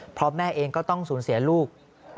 เพราะแม่เองก็ต้องสูญเสียลูก